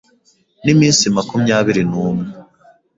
n’iminsi makumyabiri numwe